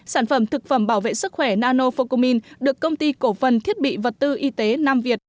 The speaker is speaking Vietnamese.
sản phẩm thực phẩm bảo vệ sức khỏe nanofocumin được công ty cổ phần thiết bị vật tư y tế nam việt